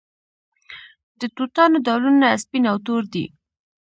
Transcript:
د توتانو ډولونه سپین او تور دي.